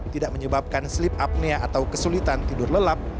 tidak menyebabkan sleep apnea atau kesulitan tidur lelap